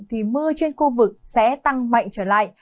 thì mưa trên khu vực sẽ tăng mạnh trở lại